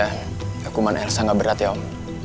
hakuman elsa gak berat ya om